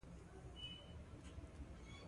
په زرګونه نور کسان بېرته جرمني ته انتقال شوي دي